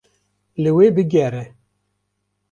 Li wê bigere.